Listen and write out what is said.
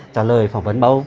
trả lời phỏng vấn báo